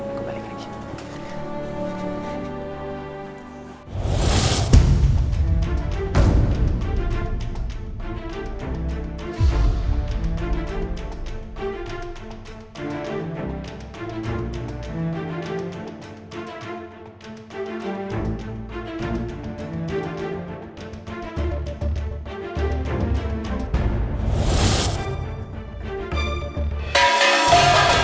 aku balik lagi